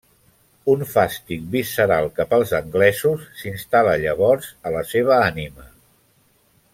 Un fàstic visceral cap als anglesos s'instal·la llavors a la seva ànima.